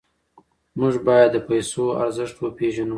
موږ باید د پیسو ارزښت وپېژنو.